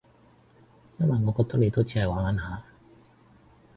因為我覺得你都只係玩玩下